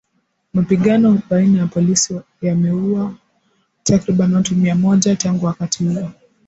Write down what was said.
Mapigano baina ya polisi yameuwa takribani watu mia moja tangu wakati huo